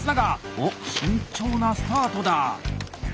おっ慎重なスタートだ。